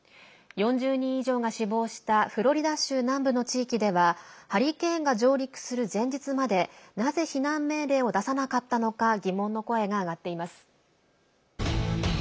４０人以上が死亡したフロリダ州南部の地域ではハリケーンが上陸する前日までなぜ避難命令を出さなかったのか疑問の声が上がっています。